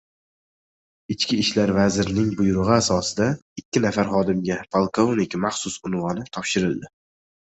Ichki ishlar vazirining buyrugʻi asosida ikki nafar xodimga polkovnik maxsus unvoni topshirildi.